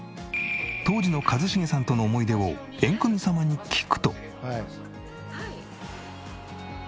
当時の一茂さんとの思い出をエンクミ様に聞くと。